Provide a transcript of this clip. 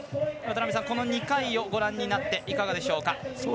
渡辺さん、２回ご覧になっていかがでしょうか。